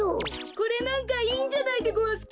これなんかいいんじゃないでごわすか？